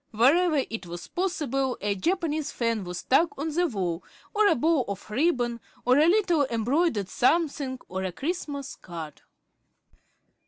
Wherever it was possible, a Japanese fan was stuck on the wall, or a bow of ribbon, or a little embroidered something, or a Christmas card.